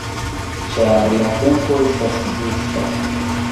Ĉar la tempo estas ĝusta!